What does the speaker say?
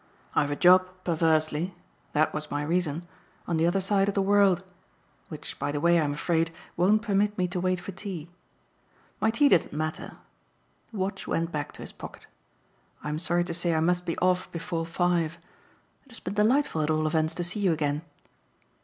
"I've a job, perversely that was my reason on the other side of the world; which, by the way, I'm afraid, won't permit me to wait for tea. My tea doesn't matter." The watch went back to his pocket. "I'm sorry to say I must be off before five. It has been delightful at all events to see you again."